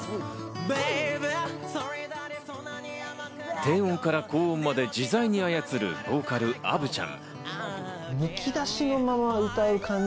低音から高音まで自在に操る、ボーカル・アヴちゃん。